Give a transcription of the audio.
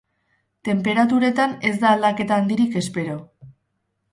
Tenperaturetan ez da aldaketa handirik espero.